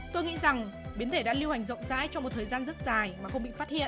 tôi nghĩ rằng biến thể đã lưu hành rộng rãi trong một thời gian rất dài mà không bị phát hiện